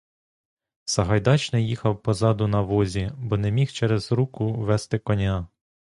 Сагайдачний їхав позаду на возі, бо не міг через руку вести коня.